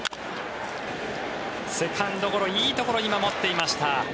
セカンドゴロいいところに守っていました。